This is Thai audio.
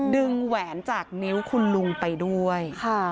แหวนจากนิ้วคุณลุงไปด้วย